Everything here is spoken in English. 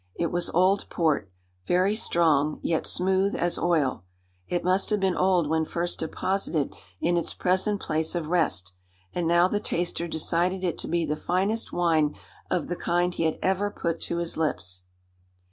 It was old port, very strong, yet smooth as oil. It must have been old when first deposited in its present place of rest, and now the taster decided it to be the finest wine of the kind he had ever put to his lips.